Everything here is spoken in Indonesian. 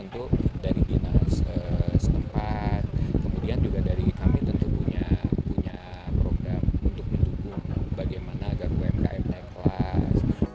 untuk dari dinas setempat kemudian juga dari kami tentu punya program untuk mendukung bagaimana agar umkm naik kelas